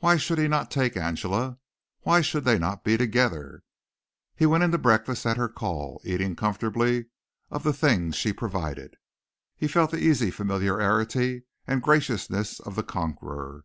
Why should he not take Angela? Why should they not be together? He went in to breakfast at her call, eating comfortably of the things she provided. He felt the easy familiarity and graciousness of the conqueror.